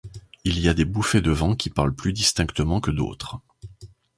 Il y a des bouffées de vent qui parlent plus distinctement que d’autres.